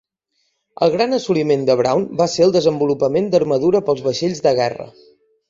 El gran assoliment de Brown va ser el desenvolupament d'armadura pels vaixells de guerra.